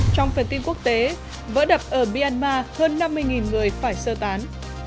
trong phần tin quốc tế vỡ đập ở myanmar hơn năm mươi người phải sơ tán